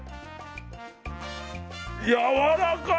やわらかい！